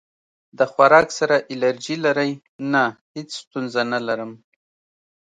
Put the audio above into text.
د خوراک سره الرجی لرئ؟ نه، هیڅ ستونزه نه لرم